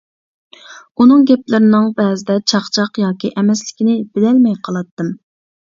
ئۇنىڭ گەپلىرىنىڭ بەزىدە چاقچاق ياكى ئەمەسلىكىنى بىلەلمەي قالاتتىم.